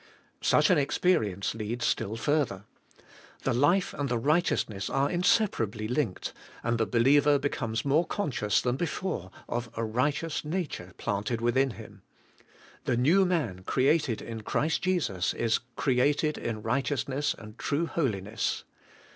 Such an experience leads still further. The life and the righteousness are inseparably linked, and the believer becomes more conscious than before of a AS YOUR RIGHTEOUSNESS, 69 righteous nature planted within him. The new man created in Christ Jesus, is 'created in righteousness and true holiness.'